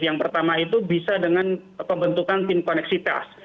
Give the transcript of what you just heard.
yang pertama itu bisa dengan pembentukan tim koneksitas